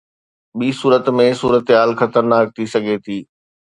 ٻي صورت ۾ صورتحال خطرناڪ ٿي سگهي ٿي.